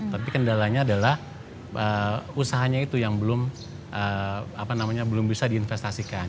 tapi kendalanya adalah usahanya itu yang belum apa namanya belum bisa diinvestasikan